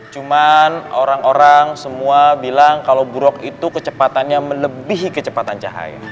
cuman orang orang semua bilang kalau burok itu kecepatannya melebihi kecepatan cahaya